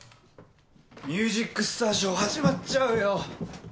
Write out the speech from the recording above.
『ミュージックスターショー』始まっちゃうよ！